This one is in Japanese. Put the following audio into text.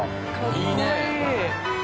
いいね。